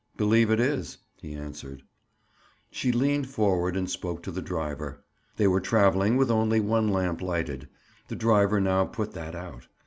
"Believe it is," he answered. She leaned forward and spoke to the driver. They were traveling with only one lamp lighted; the driver now put that out.